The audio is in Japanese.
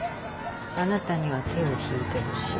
あなたには手を引いてほしい。